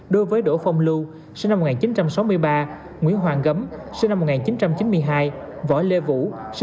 đối với đỗ phong lưu nguyễn hoàng gấm võ lê vũ